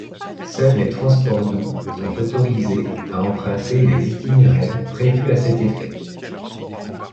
Seuls les transports doux sont autorisés à emprunter les itinéraires prévus à cet effet.